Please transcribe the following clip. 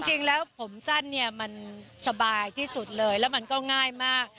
จริงแล้วผมสั้นเนี่ยมันสบายที่สุดเลยแล้วมันก็ง่ายมาก